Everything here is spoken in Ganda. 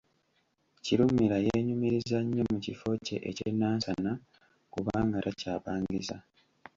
Kirumira yeenyumiriza nnyo mu kifo kye eky'e Nansana kubanga takyapangisa.